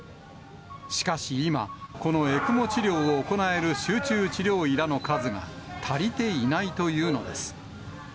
しかし、今、このＥＣＭＯ治療を行える集中治療医らの数が足りていないというのです。